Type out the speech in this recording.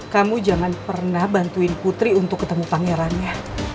kamu jangan pernah bantuin putri untuk ketemu pangerannya